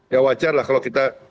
ya wajar lah kalau kita